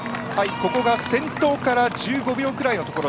ここが先頭から１５秒くらいのところ。